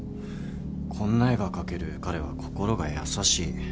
こんな絵が描ける彼は心が優しい。